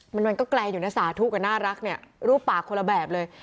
มันมันก็ไกลอยู่นะสาธุกับน่ารักเนี่ยรูปปากคนละแบบเลย